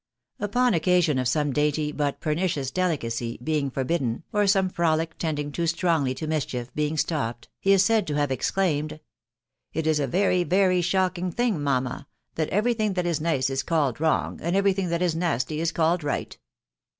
Upon occasion of some dainty, but pernicious delicacy, being forbidden, or some frolic tending too strongly to mischief being stopped, he is said to have ex claimed, "It is a very, very shocking thing, mamma, that every thing that is nice is called wrong, and every thing that is nasty is called right."